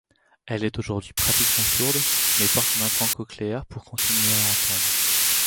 Elle est aujourd'hui pratiquement sourde mais porte un implant cochléaire pour continuer à entendre.